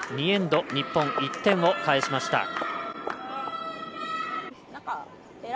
２エンド、日本１点を返しました。